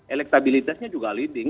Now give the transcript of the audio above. elektabilitasnya juga leading